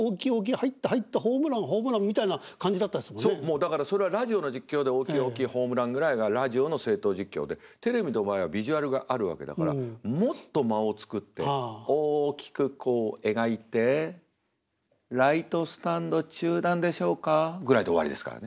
だからそれはラジオの実況で「大きい大きいホームラン」ぐらいがラジオの正統実況でテレビの場合はビジュアルがあるわけだからもっと間を作って「大きく弧を描いてライトスタンド中段でしょうか」ぐらいで終わりですからね。